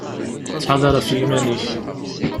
Ttḥadar ɣef yiman-ik.